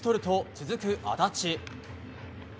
続く、安達。